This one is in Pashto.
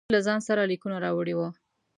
وکیل له ځان سره لیکونه راوړي وه.